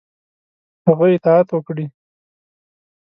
هغه اطاعت وکړي.